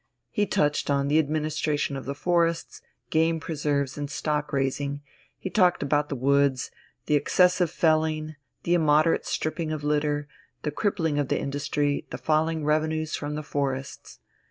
He touched on the administration of the forests, game preserves and stock raising; he talked about the woods, the excessive felling, the immoderate stripping of litter, the crippling of the industry, the falling revenues from the forests.